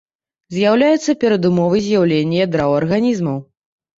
З'яўляюцца перадумовы з'яўлення ядра ў арганізмаў.